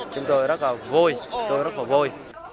chúng tôi rất vui